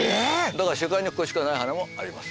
だから世界にここしかない花もあります。